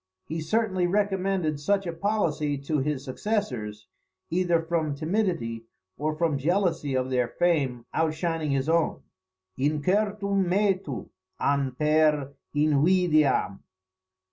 He certainly recommended such a policy to his successors, either from timidity, or from jealousy of their fame outshining his own; ["Incertum metu an per invidiam."